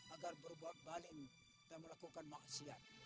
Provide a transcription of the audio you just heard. agar berbalik dan melakukan maksiat